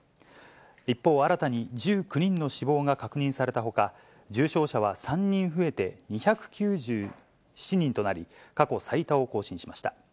一方、新たに１９人の死亡が確認されたほか、重症者は３人増えて２９７人となり、過去最多を更新しました。